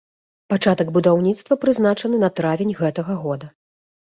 Пачатак будаўніцтва прызначаны на травень гэтага года.